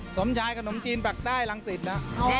สมชายขนมจีนปากใต้รังสิตนะ